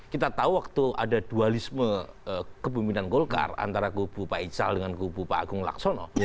kita tahu waktu ada dualisme kepemimpinan golkar antara kubu pak ical dengan kubu pak agung laksono